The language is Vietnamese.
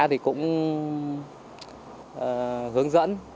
thì cũng hướng dẫn